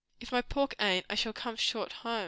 "If my pork ain't, I shall come short home.